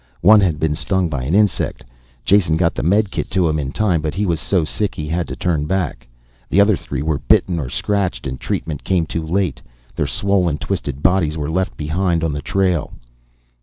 One had been stung by an insect, Jason got the medikit to him in time, but he was so sick he had to turn back. The other three were bitten or scratched and treatment came too late. Their swollen, twisted bodies were left behind on the trail.